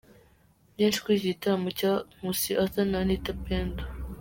Byinshi kuri iki gitaramo cya Nkusi Arthur na Anitha Pendo.